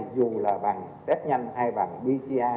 dù là bằng test nhanh hay bằng pcr